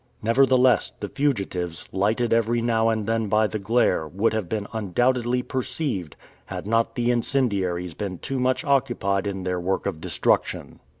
Nevertheless, the fugitives, lighted every now and then by the glare, would have been undoubtedly perceived had not the incendiaries been too much occupied in their work of destruction.